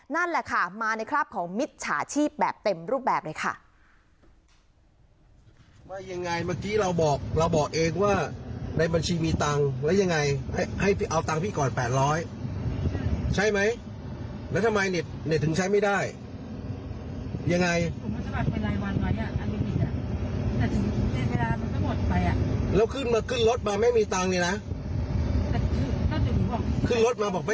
นั่นแหละค่ะมาในคราบของมิจฉาชีพแบบเต็มรูปแบบเลยค่ะ